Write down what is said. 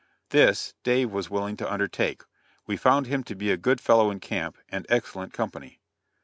This, Dave was willing to undertake. We found him to be a good fellow in camp, and excellent company.